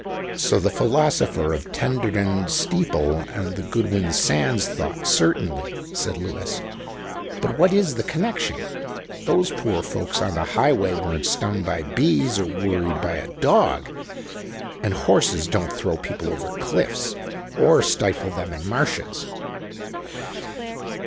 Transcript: "So the philosopher of Tenterden steeple and the Goodwin Sands thought, certainly," said Lewis. "But what is the connection? Those poor folks on the Highway weren't stung by bees or worried by a dog. And horses don't throw people over cliffs or stifle them in marshes."